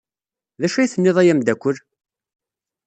D acu ay tennid a ameddakel?